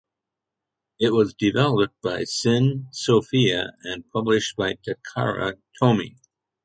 It was developed by syn Sophia and published by Takara Tomy.